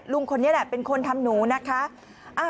ลุงคนนี้แหละเป็นคนทำหนูนะคะ